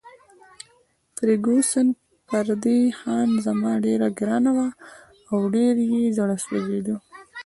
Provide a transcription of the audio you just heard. فرګوسن پر دې خان زمان ډېره ګرانه وه او ډېر یې زړه سوځېده.